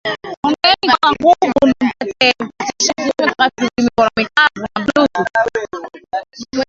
mujibu wa Buddha njia pekee ya kumkomboa mtu na shida zake ni